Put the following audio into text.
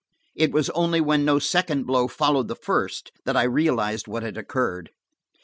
It was only when no second blow followed the first that I realized what had occurred.